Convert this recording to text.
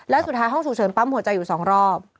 แล้วสุดท้ายห้องฉุกเฉินปั๊มหัวใจอยู่๒รอบ